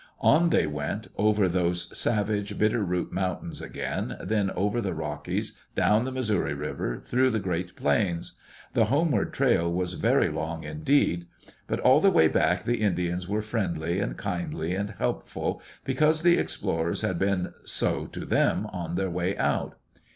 On they went, over those savage Bitter Root Moun tains again, then over the Rockies, down the Missouri River, through the great plains. The homeward trail was very long indeed. But all the way back the Indians were friendly and kindly and helpful, because the explorers had been so to them on their way out.